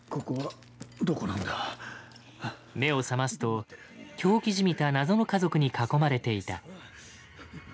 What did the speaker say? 目を覚ますと狂気じみた謎の家族に囲まれていた。